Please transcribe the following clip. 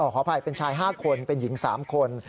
ขออภัยเป็นชาย๕คนเป็นหญิง๓คน